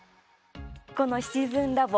この「シチズンラボ」